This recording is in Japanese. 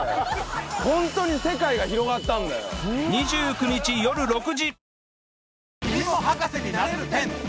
２９日よる６時